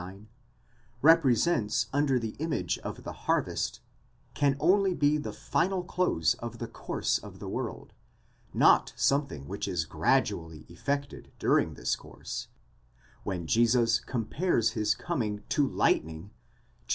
39) represents under the image of the harvest, can only be the final close of the course of the world, not something which is gradually effected during this course; when Jesus compares his coming to lightning (xxiv.